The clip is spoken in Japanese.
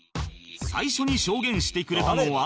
最初に証言してくれたのは